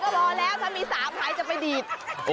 สองหายก็พอแล้วถ้ามีสามหายจะไปดีด